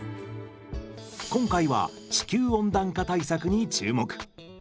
今回は地球温暖化対策に注目。